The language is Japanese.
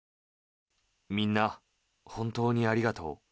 みんな、本当にありがとう。